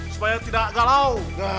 supaya tidak galau